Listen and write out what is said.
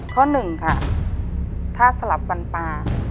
ข้อหนึ่งค่ะถ้าสลับฟันปลา